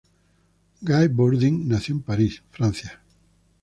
Guy Bourdin nació en París, Francia.